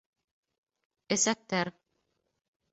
Эсәктәр